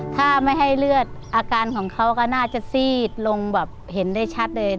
ถ้าไม่ให้เลือดอาการของเขาก็น่าจะซีดลงแบบเห็นได้ชัดเลย